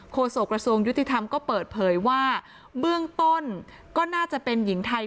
โศกระทรวงยุติธรรมก็เปิดเผยว่าเบื้องต้นก็น่าจะเป็นหญิงไทย